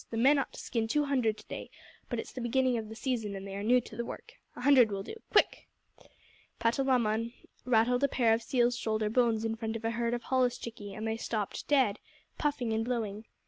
The men ought to skin two hundred to day, but it's the beginning of the season and they are new to the work. A hundred will do. Quick!" Patalamon rattled a pair of seal's shoulder bones in front of a herd of holluschickie and they stopped dead, puffing and blowing.